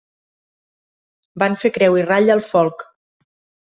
Van fer creu i ratlla al folk.